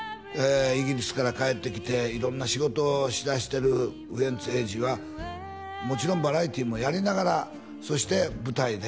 イギリスから帰ってきて色んな仕事をしだしてるウエンツ瑛士はもちろんバラエティーもやりながらそして舞台ね